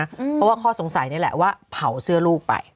เพราะว่าข้อสงสัยนี่แหละว่าเผาเสื้อลูกไป